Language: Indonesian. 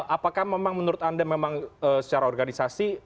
apakah memang menurut anda memang secara organisasi